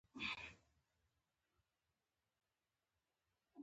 یو دا چې له علم سره خودداري زده کوي.